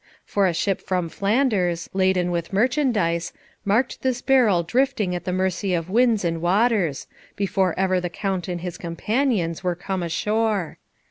For a ship from Flanders, laden with merchandise, marked this barrel drifting at the mercy of winds and waters, before ever the Count and his companions were come ashore.